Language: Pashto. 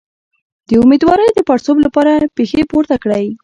د امیدوارۍ د پړسوب لپاره پښې پورته کړئ